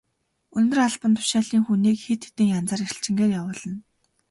Өндөр албан тушаалын хүнийг хэд хэдэн янзаар элчингээр явуулна.